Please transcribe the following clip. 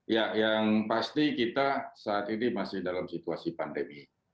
ya yang pasti kita saat ini masih dalam situasi pandemi